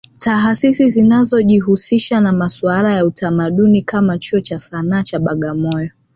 Taasisi zinazojihusisha na masuala ya utamadini kama Chuo cha Sana cha Bagamoyo